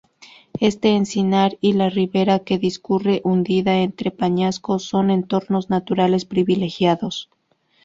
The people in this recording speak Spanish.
Este encinar y la ribera que discurre hundida entre peñascos son entornos naturales privilegiados.